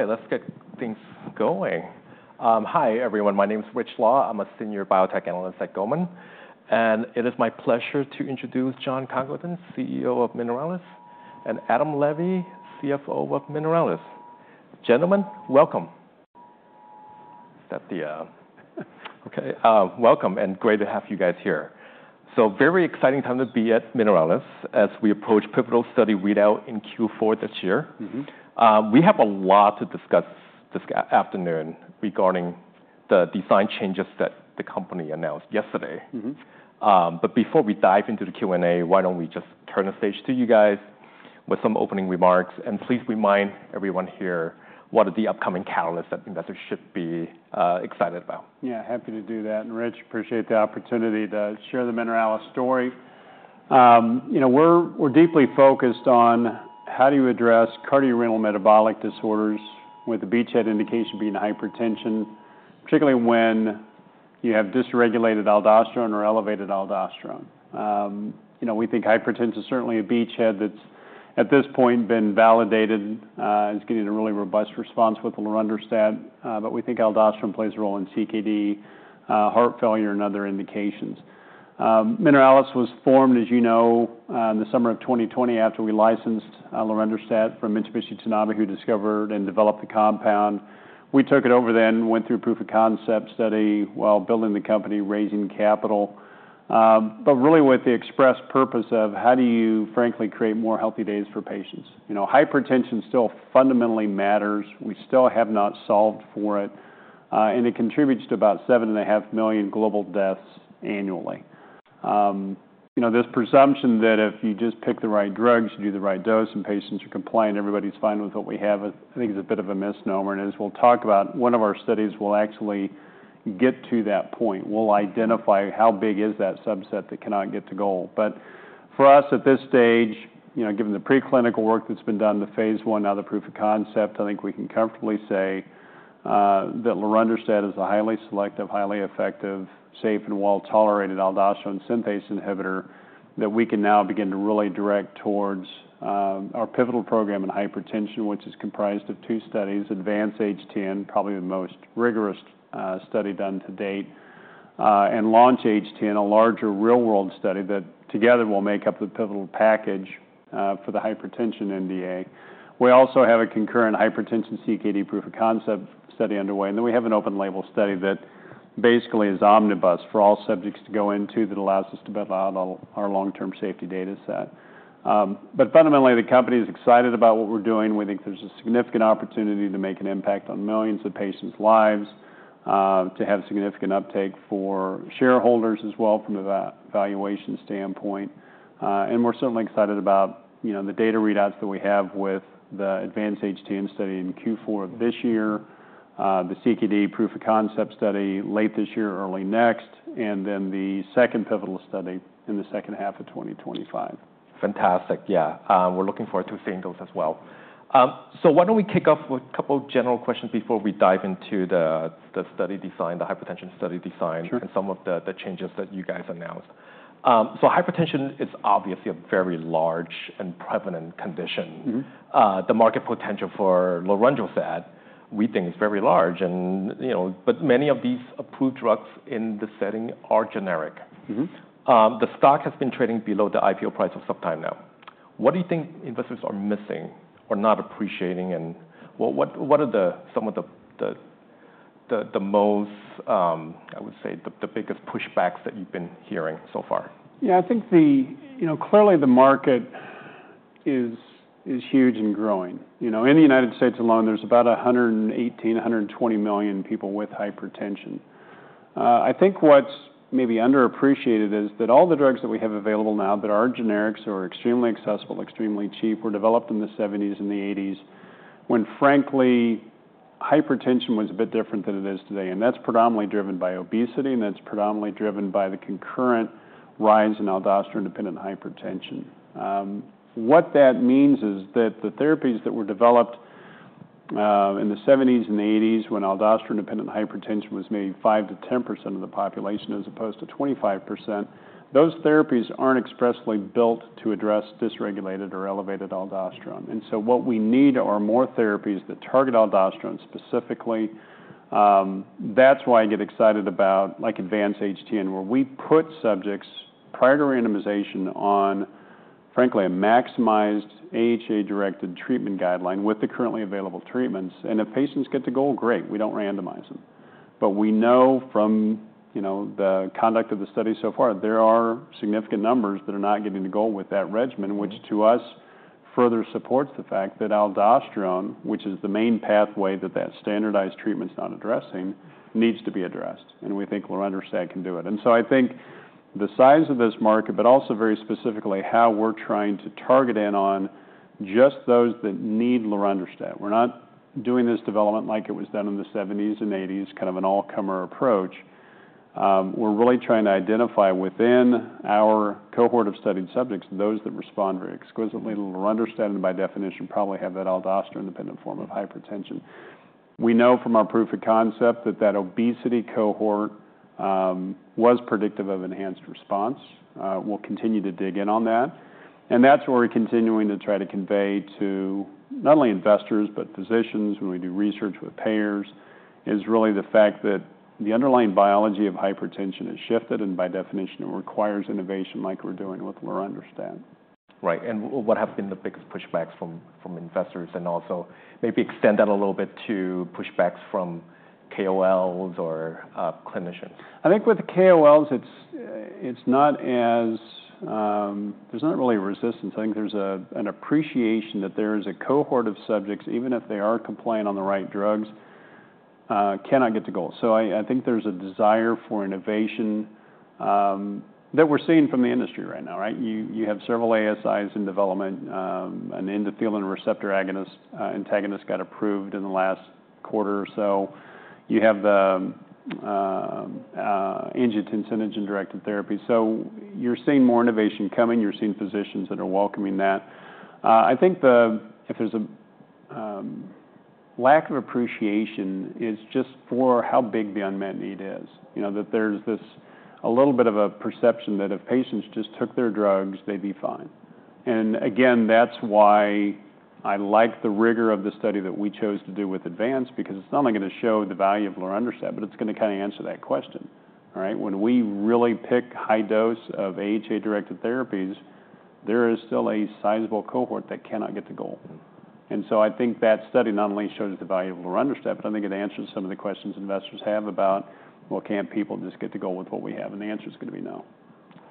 All right, let's get things going. Hi, everyone. My name is Rich Law. I'm a senior biotech analyst at Goldman, and it is my pleasure to introduce Jon Congleton, CEO of Mineralys, and Adam Levy, CFO of Mineralys. Gentlemen, welcome, and great to have you guys here. So very exciting time to be at Mineralys as we approach pivotal study readout in Q4 this year. Mm-hmm. We have a lot to discuss this afternoon regarding the design changes that the company announced yesterday. Mm-hmm. Before we dive into the Q&A, why don't we just turn the stage to you guys with some opening remarks, and please remind everyone here what are the upcoming catalysts that investors should be excited about? Yeah, happy to do that. Rich, appreciate the opportunity to share the Mineralys story. You know, we're deeply focused on how do you address cardiorenal metabolic disorders, with the beachhead indication being hypertension, particularly when you have dysregulated aldosterone or elevated aldosterone. You know, we think hypertension is certainly a beachhead that's, at this point, been validated, is getting a really robust response with lorundrostat, but we think aldosterone plays a role in CKD, heart failure, and other indications. Mineralys was formed, as you know, in the summer of 2020 after we licensed lorundrostat from Mitsubishi Tanabe, who discovered and developed the compound. We took it over then, went through proof of concept study while building the company, raising capital. But really with the express purpose of how do you frankly create more healthy days for patients? You know, hypertension still fundamentally matters. We still have not solved for it, and it contributes to about 7.5 million global deaths annually. You know, this presumption that if you just pick the right drugs, you do the right dose, and patients are compliant, everybody's fine with what we have, I think is a bit of a misnomer. And as we'll talk about, one of our studies will actually get to that point. We'll identify how big is that subset that cannot get to goal. But for us, at this stage, you know, given the preclinical work that's been done, the phase I, now the proof of concept, I think we can comfortably say, that lorundrostat is a highly selective, highly effective, safe, and well-tolerated aldosterone synthase inhibitor that we can now begin to really direct towards, our pivotal program in hypertension, which is comprised of two studies, ADVANCE-HTN, probably the most rigorous, study done to date, and LAUNCH-HTN, a larger real-world study, that together will make up the pivotal package, for the hypertension NDA. We also have a concurrent hypertension CKD proof of concept study underway, and then we have an open label study that basically is omnibus for all subjects to go into that allows us to build out our, our long-term safety data set. But fundamentally, the company is excited about what we're doing. We think there's a significant opportunity to make an impact on millions of patients' lives, to have significant uptake for shareholders as well from the valuation standpoint. And we're certainly excited about, you know, the data readouts that we have with the ADVANCE-HTN study in Q4 of this year, the CKD proof of concept study late this year or early next, and then the second pivotal study in the second half of 2025. Fantastic. Yeah, we're looking forward to seeing those as well. So why don't we kick off with a couple general questions before we dive into the study design, the hypertension study design- Sure... and some of the changes that you guys announced. So hypertension is obviously a very large and prevalent condition. Mm-hmm. The market potential for lorundrostat, we think, is very large and, you know, but many of these approved drugs in this setting are generic. Mm-hmm. The stock has been trading below the IPO price for some time now. What do you think investors are missing or not appreciating, and what are some of the, I would say, the biggest pushbacks that you've been hearing so far? Yeah, I think the... You know, clearly the market is huge and growing. You know, in the United States alone, there's about 118-120 million people with hypertension. I think what's maybe underappreciated is that all the drugs that we have available now that are generics or extremely accessible, extremely cheap, were developed in the 1970s and the 1980s, when, frankly, hypertension was a bit different than it is today, and that's predominantly driven by obesity, and that's predominantly driven by the concurrent rise in aldosterone-dependent hypertension. What that means is that the therapies that were developed in the 1970s and 1980s, when aldosterone-dependent hypertension was maybe 5%-10% of the population, as opposed to 25%, those therapies aren't expressly built to address dysregulated or elevated aldosterone. And so what we need are more therapies that target aldosterone specifically. That's why I get excited about, like, ADVANCE-HTN, where we put subjects, prior to randomization, on, frankly, a maximized AHA-directed treatment guideline with the currently available treatments. And if patients get to goal, great, we don't randomize them. But we know from, you know, the conduct of the study so far, there are significant numbers that are not getting to goal with that regimen, which to us, further supports the fact that aldosterone, which is the main pathway that that standardized treatment's not addressing, needs to be addressed, and we think lorundrostat can do it. And so I think the size of this market, but also very specifically how we're trying to target in on just those that need lorundrostat. We're not doing this development like it was done in the '70s and '80s, kind of an all-comer approach. We're really trying to identify within our cohort of studied subjects, those that respond very exquisitely to lorundrostat, and by definition, probably have that aldosterone-dependent form of hypertension. We know from our proof of concept that obesity cohort was predictive of enhanced response. We'll continue to dig in on that. And that's what we're continuing to try to convey to not only investors but physicians, when we do research with payers, is really the fact that the underlying biology of hypertension has shifted, and by definition, it requires innovation like we're doing with lorundrostat. Right. And what have been the biggest pushbacks from from investors? And also maybe extend that a little bit to pushbacks from KOLs or clinicians? I think with the KOLs, it's, it's not as, there's not really a resistance. I think there's a, an appreciation that there is a cohort of subjects, even if they are compliant on the right drugs, cannot get to goal. So I, I think there's a desire for innovation, that we're seeing from the industry right now, right? You, you have several ASIs in development, and then the endothelin receptor agonist, antagonist got approved in the last quarter or so. You have the, angiotensinogen-directed therapy. So you're seeing more innovation coming. You're seeing physicians that are welcoming that. I think the if there's a, lack of appreciation, is just for how big the unmet need is. You know, that there's this a little bit of a perception that if patients just took their drugs, they'd be fine. And again, that's why I like the rigor of the study that we chose to do with ADVANCE, because it's not only going to show the value of lorundrostat, but it's going to kind of answer that question, right? When we really pick high dose of AHA-directed therapies, there is still a sizable cohort that cannot get to goal. Mm-hmm. And so I think that study not only shows the value of lorundrostat, but I think it answers some of the questions investors have about, "Well, can't people just get to goal with what we have?" And the answer is going to be no.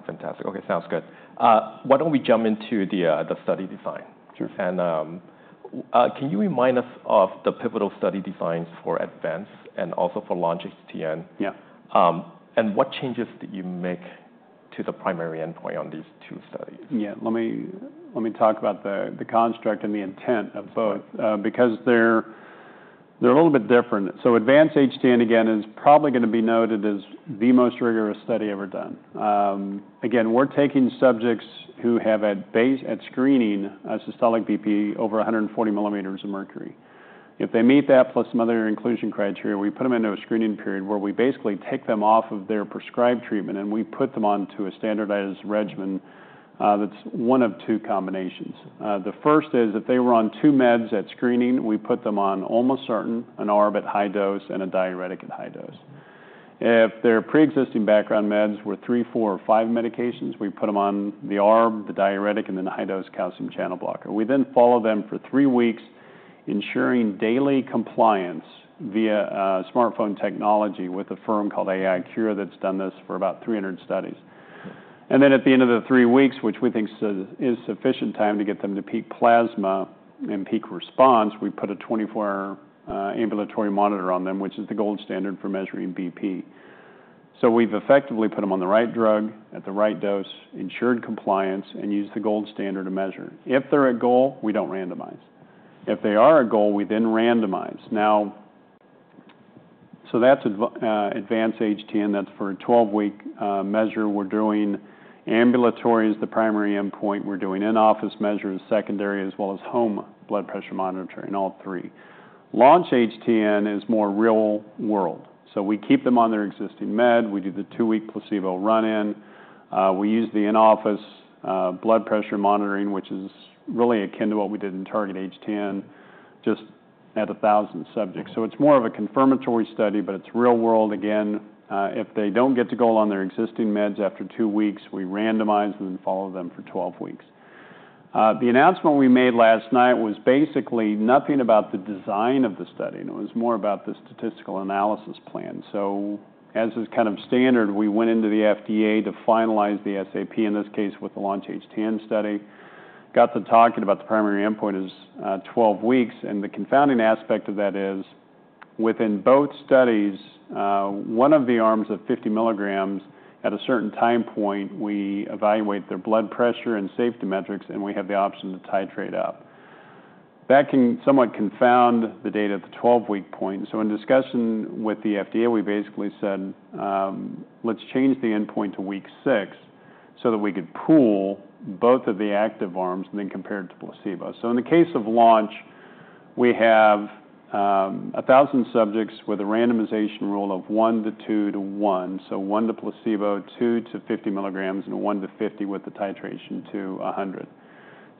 Fantastic. Okay, sounds good. Why don't we jump into the, the study design? Sure. Can you remind us of the pivotal study designs for ADVANCE and also for LAUNCH-HTN? Yeah. What changes did you make to the primary endpoint on these two studies? Yeah. Let me talk about the construct and the intent of both, because they're a little bit different. So ADVANCE-HTN, again, is probably going to be noted as the most rigorous study ever done. Again, we're taking subjects who have at screening, a systolic BP over 140 millimeters of mercury. If they meet that, plus some other inclusion criteria, we put them into a screening period, where we basically take them off of their prescribed treatment, and we put them onto a standardized regimen, that's one of two combinations. The first is, if they were on two meds at screening, we put them on olmesartan, an ARB at high dose and a diuretic at high dose. If their pre-existing background meds were 3, 4 or 5 medications, we put them on the ARB, the diuretic, and then the high-dose calcium channel blocker. We then follow them for 3 weeks, ensuring daily compliance via smartphone technology with a firm called AiCure that's done this for about 300 studies. And then, at the end of the 3 weeks, which we think is sufficient time to get them to peak plasma and peak response, we put a 24-hour ambulatory monitor on them, which is the gold standard for measuring BP. So we've effectively put them on the right drug at the right dose, ensured compliance, and used the gold standard to measure. If they're at goal, we don't randomize. If they are at goal, we then randomize. Now... So that's ADVANCE-HTN. That's for a 12-week measure. We're doing ambulatory as the primary endpoint. We're doing in-office measure as secondary, as well as home blood pressure monitoring, all three. LAUNCH-HTN is more real-world. So we keep them on their existing med. We do the two-week placebo run-in. We use the in-office blood pressure monitoring, which is really akin to what we did in TARGET-HTN, just at 1,000 subjects. So it's more of a confirmatory study, but it's real-world. Again, if they don't get to goal on their existing meds after 2 weeks, we randomize and then follow them for 12 weeks. The announcement we made last night was basically nothing about the design of the study. No, it was more about the statistical analysis plan. So as is kind of standard, we went into the FDA to finalize the SAP, in this case, with the LAUNCH-HTN study. Got to talking about the primary endpoint is 12 weeks, and the confounding aspect of that is, within both studies, one of the arms at 50 milligrams, at a certain time point, we evaluate their blood pressure and safety metrics, and we have the option to titrate up. That can somewhat confound the data at the 12-week point. So in discussion with the FDA, we basically said, "Let's change the endpoint to week 6, so that we could pool both of the active arms and then compare it to placebo." So in the case of LAUNCH, we have 1,000 subjects with a randomization rule of 1 to 2 to 1, so 1 to placebo, 2 to 50 milligrams, and 1 to 50, with the titration to 100.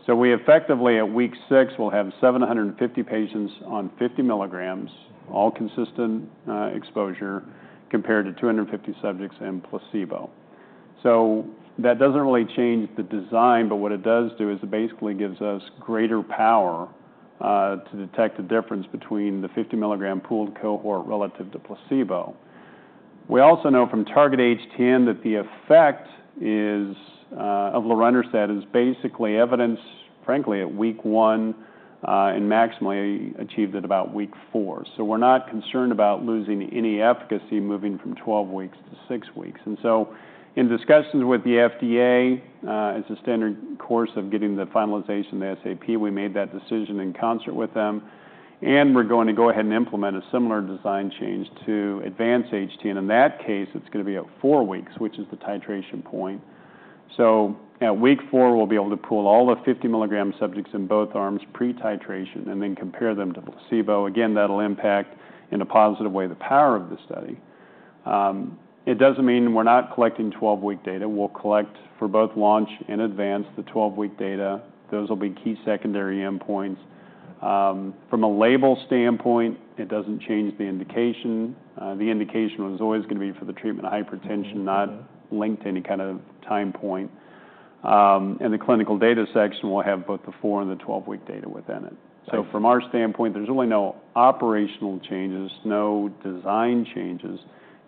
So we effectively, at week 6, will have 750 patients on 50 milligrams, all consistent, exposure, compared to 250 subjects in placebo. So that doesn't really change the design, but what it does do is it basically gives us greater power to detect the difference between the 50 milligram pooled cohort relative to placebo. We also know from TARGET-HTN that the effect is of lorundrostat, is basically evident, frankly, at week 1 and maximally achieved at about week 4. So we're not concerned about losing any efficacy moving from 12 weeks to 6 weeks. And so in discussions with the FDA, as a standard course of getting the finalization of the SAP, we made that decision in concert with them, and we're going to go ahead and implement a similar design change to ADVANCE-HTN. In that case, it's going to be at 4 weeks, which is the titration point.... So at week 4, we'll be able to pool all the 50 milligram subjects in both arms, pre-titration, and then compare them to the placebo. Again, that'll impact in a positive way, the power of the study. It doesn't mean we're not collecting 12-week data. We'll collect for both Launch and Advance the 12-week data. Those will be key secondary endpoints. From a label standpoint, it doesn't change the indication. The indication was always gonna be for the treatment of hypertension, not linked to any kind of time point. And the clinical data section will have both the 4 and the 12-week data within it. So from our standpoint, there's really no operational changes, no design changes.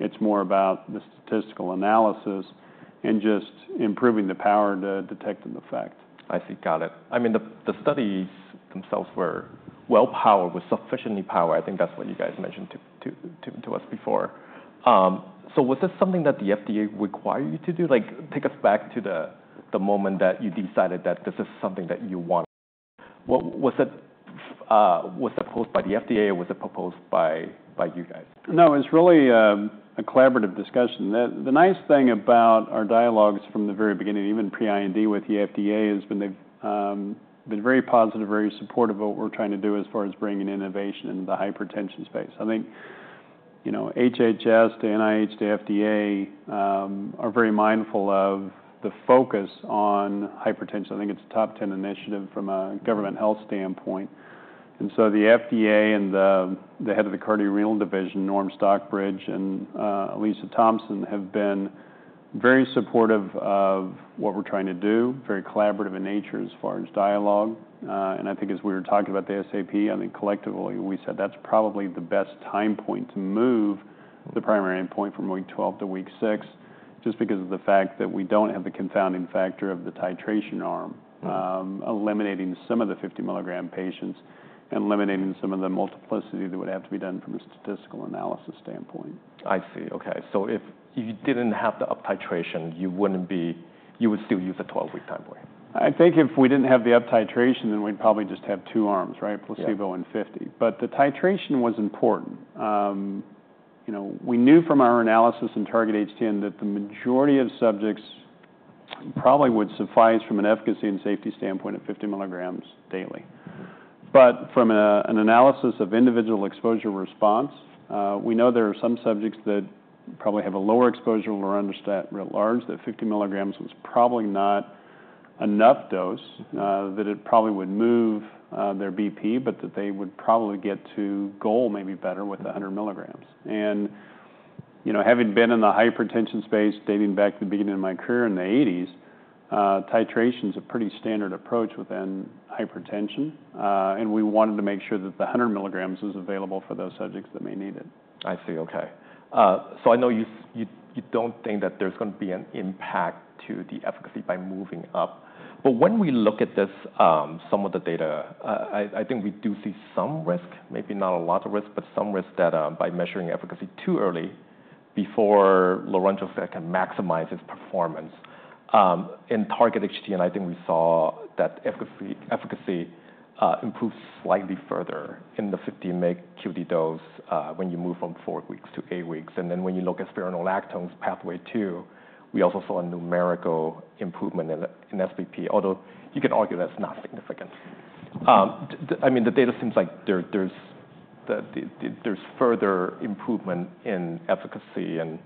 It's more about the statistical analysis and just improving the power to detect an effect. I see. Got it. I mean, the studies themselves were well-powered, were sufficiently powered. I think that's what you guys mentioned to us before. So was this something that the FDA required you to do? Like, take us back to the moment that you decided that this is something that you want. What-- was that proposed by the FDA, or was it proposed by you guys? No, it's really a collaborative discussion. The nice thing about our dialogues from the very beginning, even pre-IND with the FDA, has been they've been very positive, very supportive of what we're trying to do as far as bringing innovation in the hypertension space. I think, you know, HHS, the NIH, the FDA, are very mindful of the focus on hypertension. I think it's a top ten initiative from a government health standpoint. And so the FDA and the head of the Cardiorenal division, Norman Stockbridge and Aliza Thompson, have been very supportive of what we're trying to do, very collaborative in nature as far as dialogue. And I think as we were talking about the SAP, I think collectively, we said that's probably the best time point to move the primary endpoint from week 12 to week 6, just because of the fact that we don't have the confounding factor of the titration arm. Mm-hmm. Eliminating some of the 50 milligram patients and eliminating some of the multiplicity that would have to be done from a statistical analysis standpoint. I see. Okay. So if you didn't have the uptitration, you would still use the 12-week time frame? I think if we didn't have the uptitration, then we'd probably just have two arms, right? Yeah. Placebo and 50. But the titration was important. You know, we knew from our analysis in TARGET-HTN that the majority of subjects probably would suffice from an efficacy and safety standpoint at 50 milligrams daily. But from an analysis of individual exposure response, we know there are some subjects that probably have a lower exposure or underdosed largely, that 50 milligrams was probably not enough dose. That it probably would move their BP, but that they would probably get to goal, maybe better with 100 milligrams. And, you know, having been in the hypertension space, dating back to the beginning of my career in the eighties, titration is a pretty standard approach within hypertension. And we wanted to make sure that the 100 milligrams was available for those subjects that may need it. I see. Okay. So I know you don't think that there's gonna be an impact to the efficacy by moving up. But when we look at this, some of the data, I think we do see some risk. Maybe not a lot of risk, but some risk that by measuring efficacy too early before lorundrostat can maximize its performance. In TARGET-HTN, I think we saw that efficacy improved slightly further in the 50 mg QD dose when you move from 4 weeks to 8 weeks. And then when you look at spironolactone PATHWAY-2, we also saw a numerical improvement in SBP, although you could argue that's not significant. I mean, the data seems like there's further improvement in efficacy and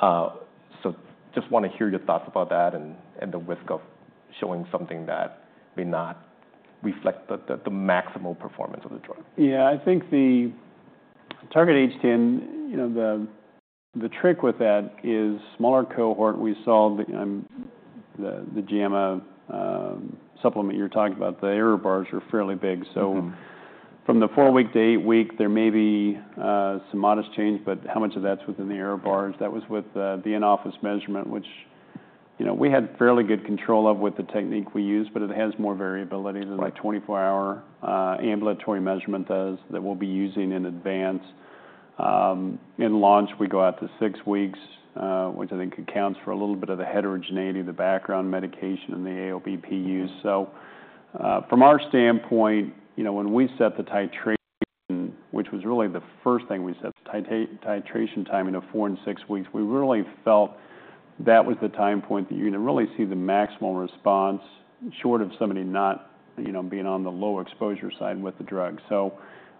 so just wanna hear your thoughts about that and the risk of showing something that may not reflect the maximal performance of the drug. Yeah, I think the TARGET-HTN, you know, the trick with that is smaller cohort. We saw the JAMA supplement you're talking about, the error bars are fairly big. Mm-hmm. From the 4-week to 8-week, there may be some modest change, but how much of that's within the error bars? That was with the in-office measurement, which, you know, we had fairly good control of with the technique we used, but it has more variability- Right... than the 24-hour ambulatory measurement does, that we'll be using in advance. In launch, we go out to 6 weeks, which I think accounts for a little bit of the heterogeneity of the background medication and the AOBP use. So, from our standpoint, you know, when we set the titration, which was really the first thing we set, the titration time into 4 and 6 weeks, we really felt that was the time point that you're gonna really see the maximal response, short of somebody not, you know, being on the low exposure side with the drug. So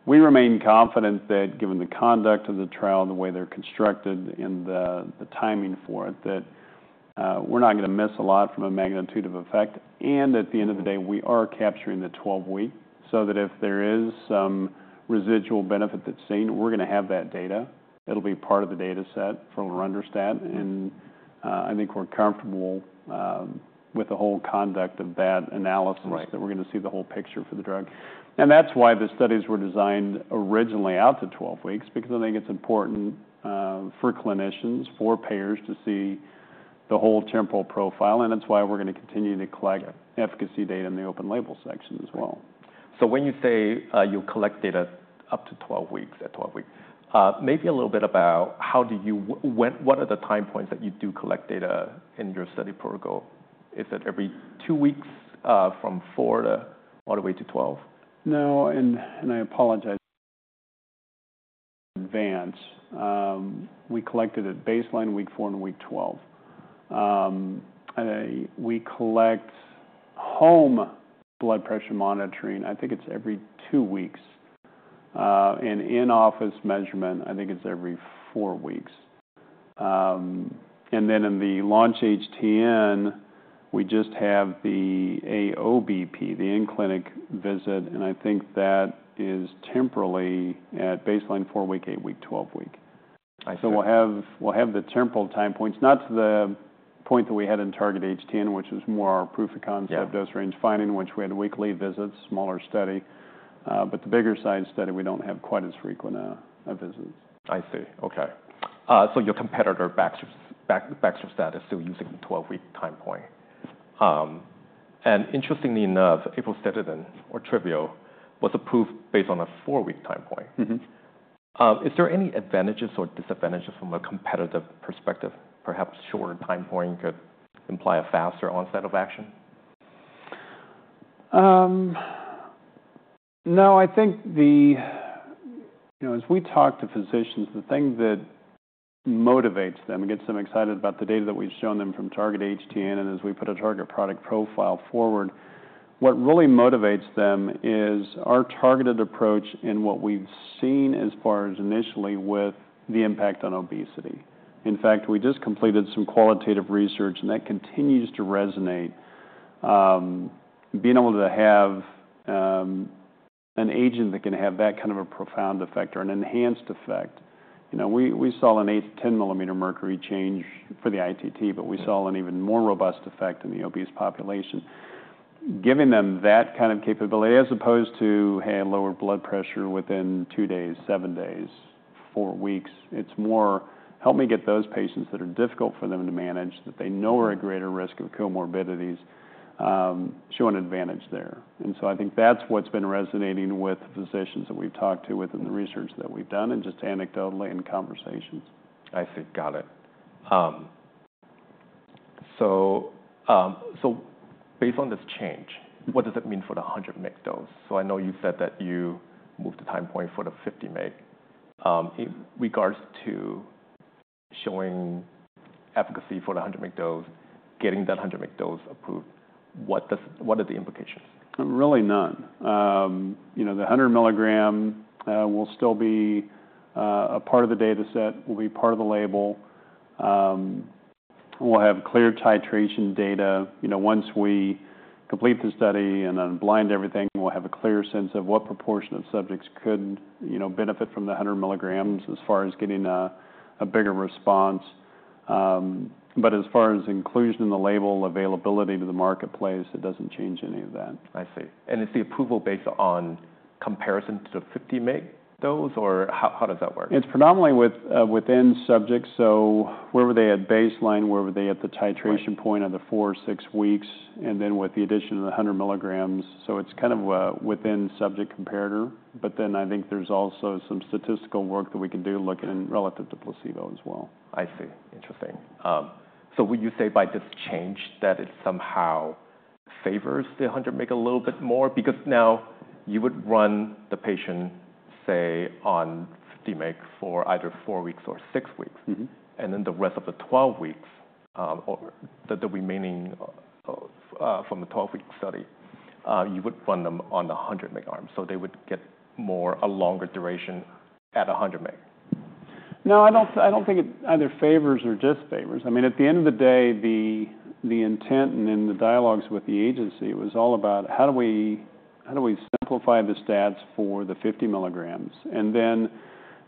we remain confident that given the conduct of the trial, the way they're constructed and the timing for it, that, we're not gonna miss a lot from a magnitude of effect. And at the end of the day, we are capturing the 12-week, so that if there is some residual benefit that's seen, we're gonna have that data. It'll be part of the dataset for lorundrostat- Mm-hmm. and I think we're comfortable with the whole conduct of that analysis- Right... that we're gonna see the whole picture for the drug. And that's why the studies were designed originally out to 12 weeks, because I think it's important, for clinicians, for payers, to see the whole temporal profile, and that's why we're gonna continue to collect efficacy data in the open label section as well. So when you say you'll collect data up to 12 weeks, at 12 weeks, maybe a little bit about how do you... What are the time points that you do collect data in your study protocol? Is it every 2 weeks, from 4 to all the way to 12? No, I apologize in advance. We collected at baseline, week 4, and week 12. And we collect home blood pressure monitoring, I think it's every 2 weeks. And in-office measurement, I think it's every 4 weeks. And then in the LAUNCH-HTN, we just have the AOBP, the in-clinic visit, and I think that is temporally at baseline 4-week, 8-week, 12-week. I see. So we'll have the temporal time points. Not to the point that we had in TARGET-HTN, which was more our proof of concept- Yeah. - dose range finding, which we had weekly visits, smaller study. But the bigger size study, we don't have quite as frequent, visits. I see. Okay. So your competitor, baxdrostat, is still using the 12-week time point. And interestingly enough, aprocitentan or Tryvio, was approved based on a 4-week time point. Mm-hmm. Is there any advantages or disadvantages from a competitive perspective? Perhaps shorter time point could imply a faster onset of action. No, I think... You know, as we talk to physicians, the thing that motivates them and gets them excited about the data that we've shown them from TARGET-HTN, and as we put a target product profile forward, what really motivates them is our targeted approach in what we've seen as far as initially with the impact on obesity. In fact, we just completed some qualitative research, and that continues to resonate. Being able to have an agent that can have that kind of a profound effect or an enhanced effect. You know, we saw an 8-10 mmHg change for the ITT- Mm-hmm. But we saw an even more robust effect in the obese population. Giving them that kind of capability, as opposed to, hey, lower blood pressure within 2 days, 7 days, 4 weeks, it's more, "Help me get those patients that are difficult for them to manage, that they know are at greater risk of comorbidities, show an advantage there." And so I think that's what's been resonating with the physicians that we've talked to within the research that we've done, and just anecdotally in conversations. I see. Got it. So based on this change, what does it mean for the 100 mg dose? So I know you said that you moved the time point for the 50 mg. In regards to showing efficacy for the 100 mg dose, getting that 100 mg dose approved, what are the implications? Really none. You know, the 100 milligram will still be a part of the dataset, will be part of the label. We'll have clear titration data. You know, once we complete the study and then blind everything, we'll have a clearer sense of what proportion of subjects could, you know, benefit from the 100 milligrams as far as getting a bigger response. But as far as inclusion in the label, availability to the marketplace, it doesn't change any of that. I see. And is the approval based on comparison to the 50 mg dose, or how, how does that work? It's predominantly with, within subjects, so where were they at baseline? Where were they at the titration point- Right... of the 4, 6 weeks, and then with the addition of the 100 milligrams. So it's kind of a within-subject comparator. But then I think there's also some statistical work that we can do looking relative to placebo as well. I see. Interesting. So would you say by this change, that it somehow favors the 100 mg a little bit more? Because now you would run the patient, say, on 50 mg for either 4 weeks or 6 weeks. Mm-hmm. Then the rest of the 12 weeks, or the remaining from the 12-week study, you would run them on the 100 mg arm, so they would get more a longer duration at a 100 mg. No, I don't think it either favors or disfavors. I mean, at the end of the day, the intent and in the dialogues with the agency, it was all about: how do we simplify the stats for the 50 milligrams? And then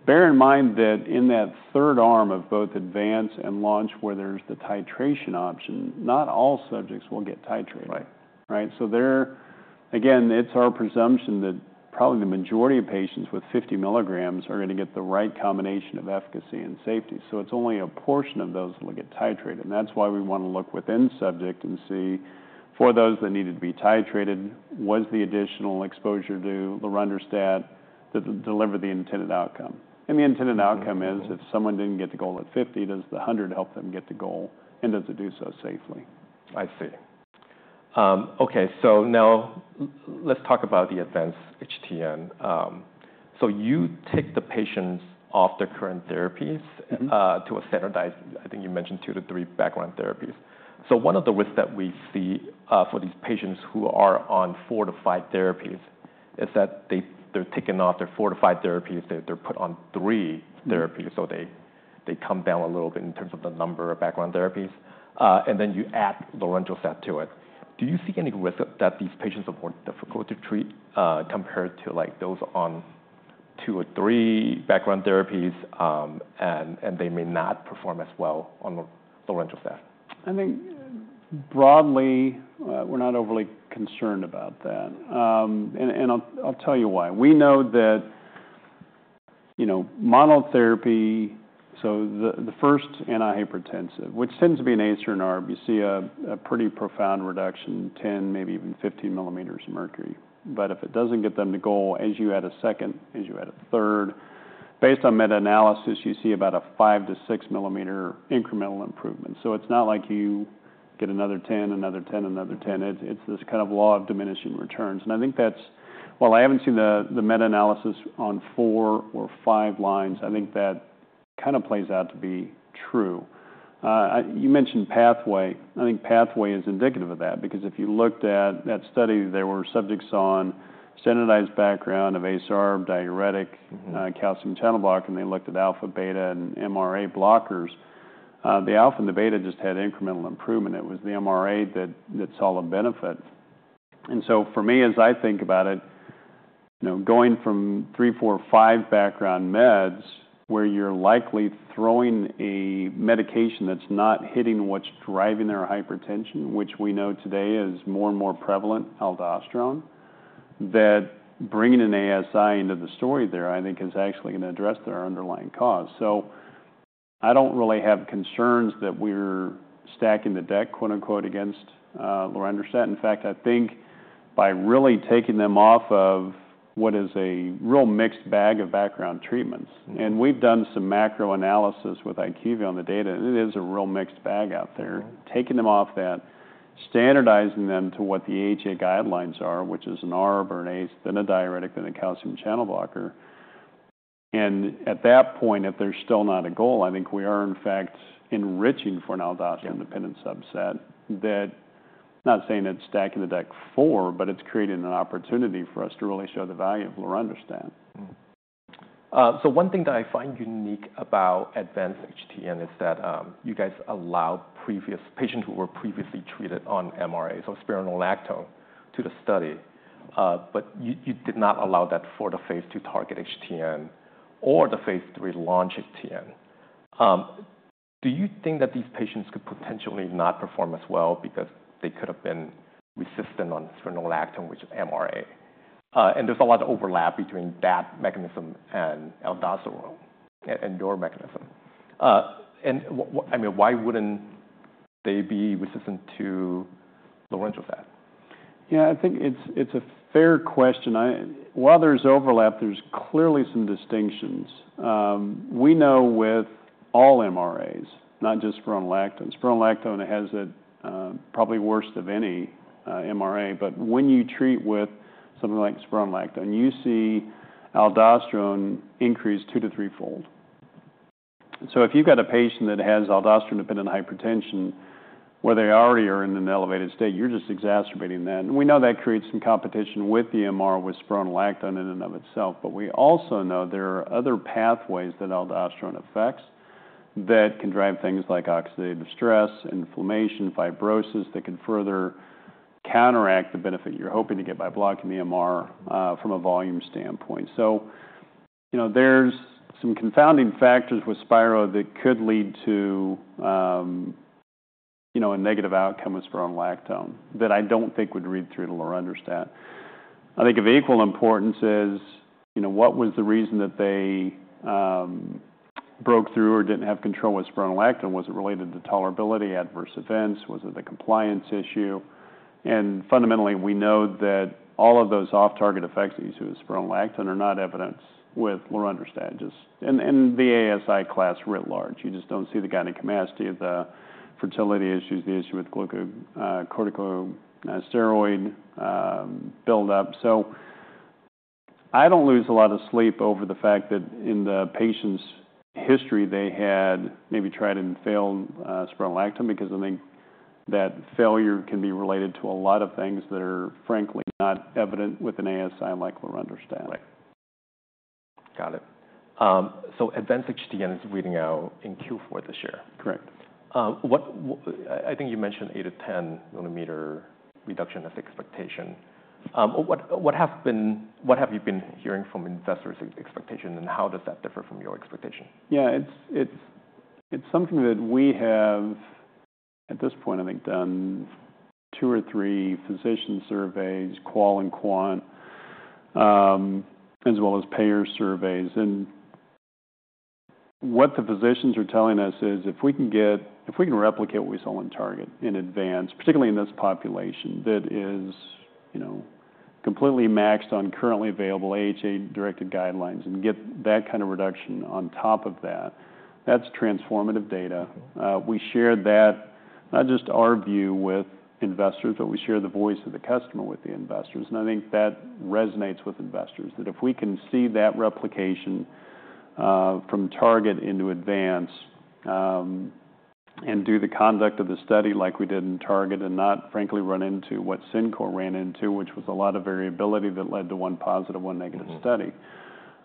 bear in mind that in that third arm of both ADVANCE-HTN and LAUNCH-HTN, where there's the titration option, not all subjects will get titrated. Right. Right? So there, again, it's our presumption that probably the majority of patients with 50 milligrams are gonna get the right combination of efficacy and safety. So it's only a portion of those that will get titrated, and that's why we want to look within subject and see, for those that needed to be titrated, was the additional exposure to lorundrostat that delivered the intended outcome? And the intended outcome is, if someone didn't get the goal at 50, does the 100 help them get the goal, and does it do so safely? I see. Okay, so now let's talk about the ADVANCE-HTN. So you take the patients off their current therapies. Mm-hmm... to a standardized, I think you mentioned 2-3 background therapies. So one of the risks that we see, for these patients who are on 4-5 therapies is that they're taken off their 4-5 therapies, they're put on 3 therapies. Mm-hmm. So they come down a little bit in terms of the number of background therapies. And then you add lorundrostat to it. Do you see any risk that these patients are more difficult to treat, compared to, like, those on two or three background therapies, and they may not perform as well on lorundrostat? I think broadly, we're not overly concerned about that. I'll tell you why. We know that, you know, monotherapy. So the first antihypertensive, which tends to be an ACE inhibitor or ARB, you see a pretty profound reduction, 10, maybe even 15 millimeters of mercury. But if it doesn't get them to goal, as you add a second, as you add a third, based on meta-analysis, you see about a 5-6 millimeter incremental improvement. So it's not like you get another 10, another 10, another 10. It's this kind of law of diminishing returns, and I think that's. While I haven't seen the meta-analysis on 4 or 5 lines, I think that kind of plays out to be true. You mentioned Pathway. I think Pathway is indicative of that, because if you looked at that study, there were subjects on standardized background of ACE, ARB, diuretic- Mm-hmm. Calcium channel blocker, and they looked at alpha, beta, and MRA blockers. The alpha and the beta just had incremental improvement. It was the MRA that saw the benefit. And so for me, as I think about it, you know, going from 3, 4, 5 background meds, where you're likely throwing a medication that's not hitting what's driving their hypertension, which we know today is more and more prevalent, aldosterone, that bringing an ASI into the story there, I think, is actually going to address their underlying cause. So I don't really have concerns that we're stacking the deck, quote, unquote, "against," lorundrostat. In fact, I think by really taking them off of what is a real mixed bag of background treatments- Mm-hmm. We've done some macro analysis with IQVIA on the data, and it is a real mixed bag out there. Mm-hmm. Taking them off that, standardizing them to what the AHA guidelines are, which is an ARB or an ACE, then a diuretic, then a calcium channel blocker. At that point, if they're still not a goal, I think we are, in fact, enriching for an aldosterone- Yeah Independent subset, that... Not saying it's stacking the deck for, but it's creating an opportunity for us to really show the value of lorundrostat. Mm-hmm. So one thing that I find unique about ADVANCE-HTN is that you guys allowed patients who were previously treated on MRAs or spironolactone to the study, but you did not allow that for the phase II TARGET-HTN or the phase III LAUNCH-HTN. Do you think that these patients could potentially not perform as well because they could have been resistant on spironolactone, which is MRA? And there's a lot of overlap between that mechanism and aldosterone and your mechanism. And I mean, why wouldn't they be resistant to lorundrostat? Yeah, I think it's, it's a fair question. While there's overlap, there's clearly some distinctions. We know with all MRAs, not just spironolactone. Spironolactone has it, probably worst of any, MRA. But when you treat with something like spironolactone, you see aldosterone increase 2- to 3-fold. So if you've got a patient that has aldosterone-dependent hypertension, where they already are in an elevated state, you're just exacerbating that. And we know that creates some competition with the MR, with spironolactone in and of itself, but we also know there are other pathways that aldosterone affects that can drive things like oxidative stress, inflammation, fibrosis, that can further counteract the benefit you're hoping to get by blocking the MR, from a volume standpoint. So, you know, there's some confounding factors with spiro that could lead to, you know, a negative outcome with spironolactone that I don't think would read through to lorundrostat. I think of equal importance is, you know, what was the reason that they broke through or didn't have control with spironolactone? Was it related to tolerability, adverse events? Was it a compliance issue? And fundamentally, we know that all of those off-target effects that you see with spironolactone are not evident with lorundrostat, just... And the ASI class writ large. You just don't see the gynecomastia, the fertility issues, the issue with glucocorticoid buildup. I don't lose a lot of sleep over the fact that in the patient's history, they had maybe tried and failed, spironolactone, because I think that failure can be related to a lot of things that are frankly not evident with an ASI like lorundrostat. Right. Got it. So, ADVANCE-HTN is reading out in Q4 this year? Correct. I think you mentioned 8-10 millimeter reduction as expectation. What have you been hearing from investors' expectation, and how does that differ from your expectation? Yeah, it's something that we have, at this point, I think, done two or three physician surveys, qual and quant, as well as payer surveys. And what the physicians are telling us is, if we can replicate what we saw in Target in Advance, particularly in this population, that is, you know, completely maxed on currently available AHA-directed guidelines, and get that kind of reduction on top of that, that's transformative data. We shared that, not just our view with investors, but we share the voice of the customer with the investors. I think that resonates with investors, that if we can see that replication from Target into Advance, and do the conduct of the study like we did in Target and not, frankly, run into what CinCor ran into, which was a lot of variability that led to one positive, one negative- Mm-hmm... study,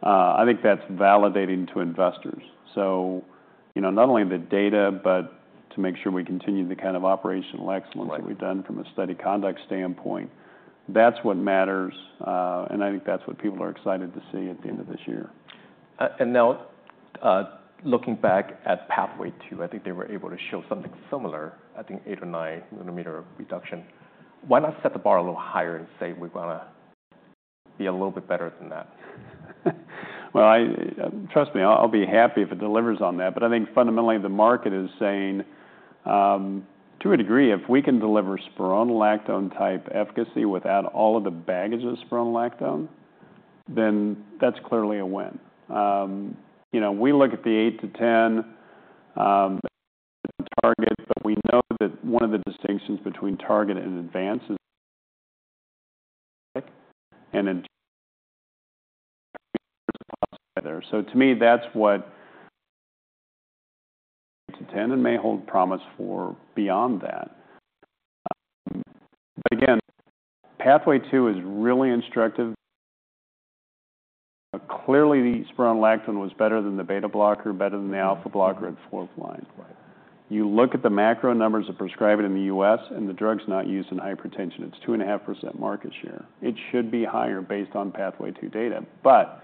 I think that's validating to investors. So, you know, not only the data, but to make sure we continue the kind of operational excellence- Right... that we've done from a study conduct standpoint. That's what matters, and I think that's what people are excited to see at the end of this year. and now, looking back at PATHWAY-2, I think they were able to show something similar, I think 8 or 9 millimeter reduction. Why not set the bar a little higher and say, "We're gonna be a little bit better than that? Well, trust me, I'll be happy if it delivers on that. But I think fundamentally, the market is saying, to a degree, if we can deliver spironolactone-type efficacy without all of the baggage of spironolactone... then that's clearly a win. You know, we look at the 8-10 target, but we know that one of the distinctions between target and advance is, and then so to me, that's 8 to 10 and may hold promise for beyond that. But again, PATHWAY-2 is really instructive. Clearly, the spironolactone was better than the beta blocker, better than the alpha blocker at fourth line. You look at the macro numbers of prescribing in the U.S., and the drug's not used in hypertension. It's 2.5% market share. It should be higher based on PATHWAY-2 data, but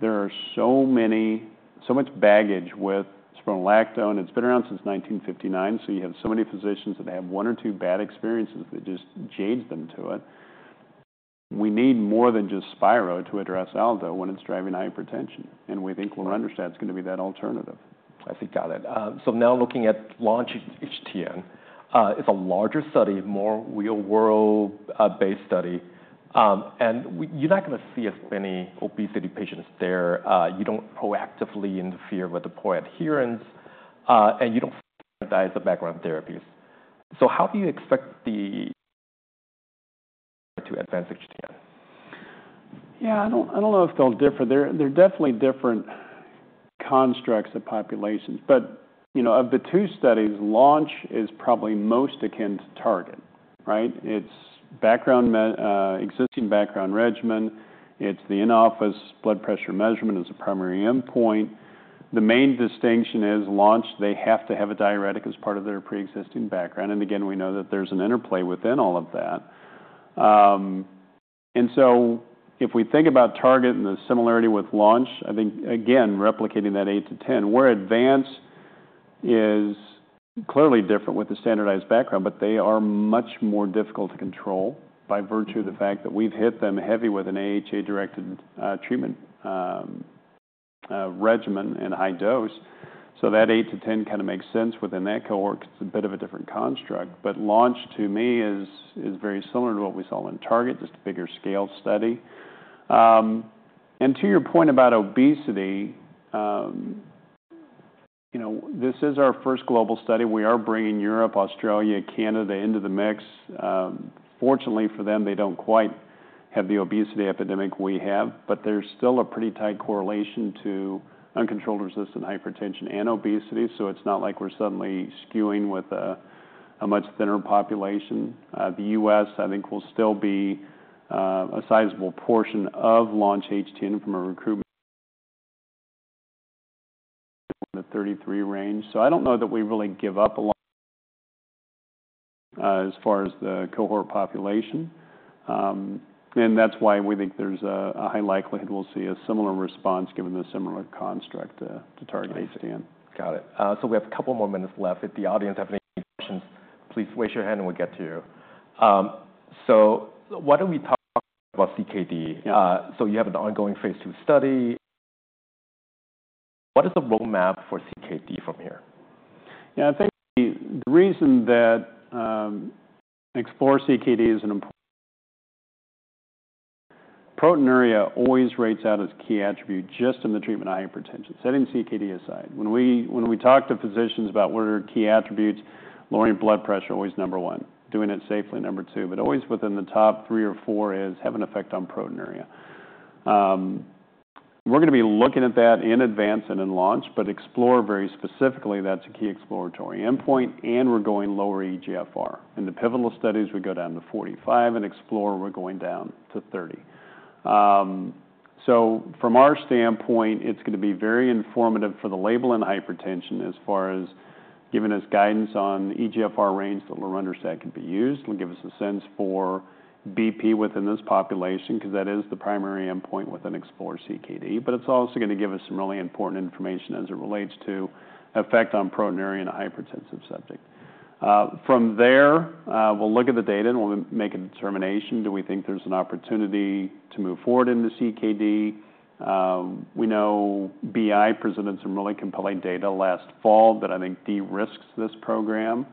there are so many, so much baggage with spironolactone. It's been around since 1959, so you have so many physicians that have one or two bad experiences that just jades them to it. We need more than just Spiro to address Aldo when it's driving hypertension, and we think lorundrostat is gonna be that alternative. I think got it. So now looking at LAUNCH-HTN, it's a larger study, more real-world based study. And you're not gonna see as many obesity patients there. You don't proactively interfere with the poor adherence, and you don't standardize the background therapies. So how do you expect the to ADVANCE-HTN? Yeah, I don't know if they'll differ. They're definitely different constructs of populations, but, you know, of the two studies, Launch is probably most akin to Target, right? It's background existing background regimen. It's the in-office blood pressure measurement as a primary endpoint. The main distinction is Launch. They have to have a diuretic as part of their pre-existing background, and again, we know that there's an interplay within all of that. And so if we think about Target and the similarity with Launch, I think, again, replicating that 8-10, where Advance is clearly different with the standardized background, but they are much more difficult to control by virtue of the fact that we've hit them heavy with an AHA-directed treatment regimen and high dose. So that 8-10 kinda makes sense within that cohort. It's a bit of a different construct, but Launch, to me, is, is very similar to what we saw in TARGET, just a bigger scale study. And to your point about obesity, you know, this is our first global study. We are bringing Europe, Australia, Canada into the mix. Fortunately for them, they don't quite have the obesity epidemic we have, but there's still a pretty tight correlation to uncontrolled resistant hypertension and obesity, so it's not like we're suddenly skewing with a, a much thinner population. The U.S., I think, will still be a sizable portion of LAUNCH-HTN from a recruitment in the 33 range. So I don't know that we really give up a lot, as far as the cohort population. That's why we think there's a high likelihood we'll see a similar response given the similar construct to TARGET-HTN. Got it. So we have a couple more minutes left. If the audience have any questions, please raise your hand, and we'll get to you. So why don't we talk about CKD? Yeah. So you have an ongoing phase two study. What is the roadmap for CKD from here? Yeah, I think the reason that Explore-CKD is an important... proteinuria always rates out as a key attribute just in the treatment of hypertension, setting CKD aside. When we talk to physicians about what are key attributes, lowering blood pressure, always number one. Doing it safely, number two, but always within the top three or four is have an effect on proteinuria. We're gonna be looking at that in ADVANCE and in LAUNCH, but Explore-CKD very specifically, that's a key exploratory endpoint, and we're going lower eGFR. In the pivotal studies, we go down to 45, and Explore-CKD, we're going down to 30. So from our standpoint, it's gonna be very informative for the label and hypertension as far as giving us guidance on the eGFR range that lorundrostat could be used. It'll give us a sense for BP within this population, 'cause that is the primary endpoint within Explore-CKD, but it's also gonna give us some really important information as it relates to effect on proteinuria in a hypertensive subject. From there, we'll look at the data, and we'll make a determination. Do we think there's an opportunity to move forward in the CKD? We know BI presented some really compelling data last fall that I think de-risks this program.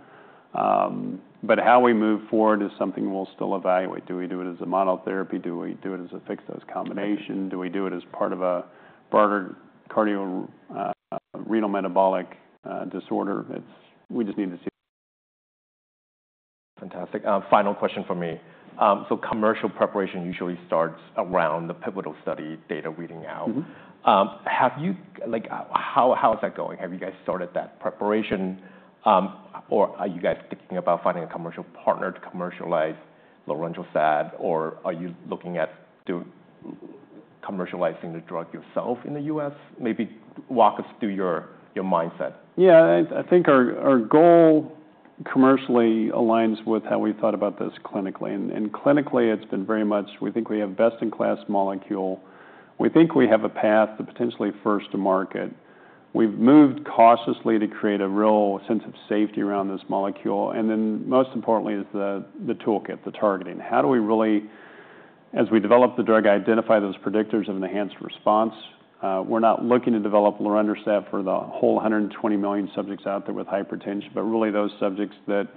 But how we move forward is something we'll still evaluate. Do we do it as a monotherapy? Do we do it as a fixed-dose combination? Do we do it as part of a cardiorenal metabolic disorder? It's. We just need to see. Fantastic. Final question from me. So commercial preparation usually starts around the pivotal study data readout. Mm-hmm. Have you—like, how is that going? Have you guys started that preparation, or are you guys thinking about finding a commercial partner to commercialize lorundrostat, or are you looking at do commercializing the drug yourself in the U.S.? Maybe walk us through your mindset. Yeah, I think our goal commercially aligns with how we thought about this clinically, and clinically, it's been very much we think we have best-in-class molecule. We think we have a path to potentially first the market. We've moved cautiously to create a real sense of safety around this molecule, and then most importantly is the toolkit, the targeting. How do we really, as we develop the drug, identify those predictors of enhanced response?... We're not looking to develop lorundrostat for the whole 120 million subjects out there with hypertension, but really those subjects that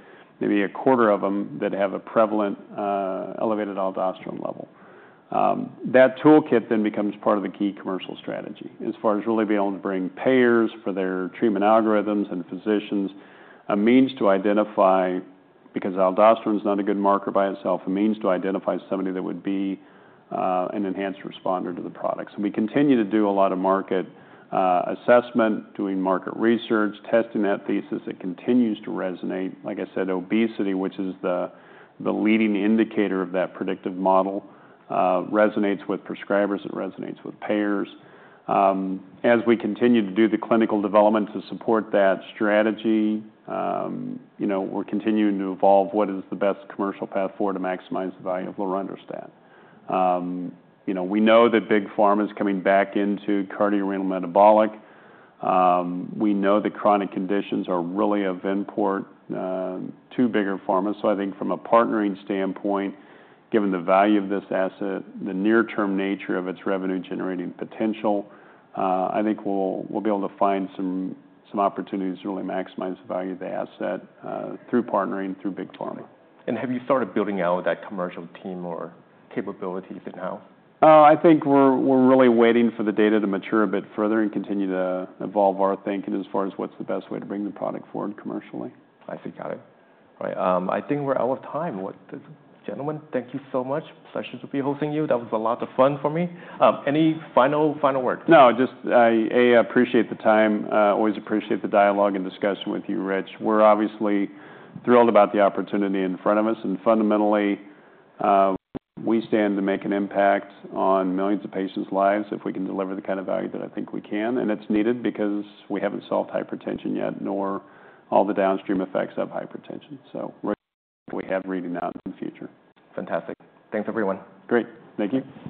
maybe a quarter of them that have a prevalent elevated aldosterone level. That toolkit then becomes part of the key commercial strategy as far as really being able to bring payers for their treatment algorithms and physicians a means to identify, because aldosterone is not a good marker by itself, a means to identify somebody that would be an enhanced responder to the product. So we continue to do a lot of market assessment, doing market research, testing that thesis. It continues to resonate. Like I said, obesity, which is the leading indicator of that predictive model, resonates with prescribers, it resonates with payers. As we continue to do the clinical development to support that strategy, you know, we're continuing to evolve what is the best commercial path forward to maximize the value of lorundrostat. You know, we know that big pharma is coming back into cardiorenal metabolic. We know that chronic conditions are really of import to bigger pharma. So I think from a partnering standpoint, given the value of this asset, the near-term nature of its revenue-generating potential, I think we'll be able to find some opportunities to really maximize the value of the asset through partnering through big pharma. Have you started building out that commercial team or capabilities at all? I think we're really waiting for the data to mature a bit further and continue to evolve our thinking as far as what's the best way to bring the product forward commercially. I see. Got it. Right, I think we're out of time. Well, gentlemen, thank you so much. Pleasure to be hosting you. That was a lot of fun for me. Any final words? No, just I appreciate the time. Always appreciate the dialogue and discussion with you, Rich. We're obviously thrilled about the opportunity in front of us, and fundamentally, we stand to make an impact on millions of patients' lives if we can deliver the kind of value that I think we can. And it's needed because we haven't solved hypertension yet, nor all the downstream effects of hypertension. So we have reading out in the future. Fantastic. Thanks, everyone. Great. Thank you.